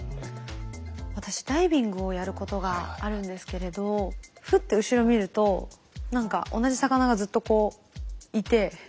私ダイビングをやることがあるんですけれどフッて後ろ見ると何か同じ魚がずっとこういて。